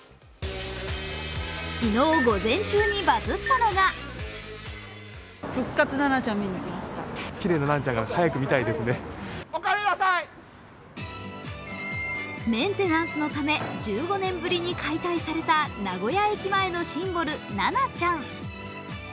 昨日午前中にバズったのがメンテナンスのため１５年ぶりに解体された名古屋駅前のシンボル、ナナちゃん。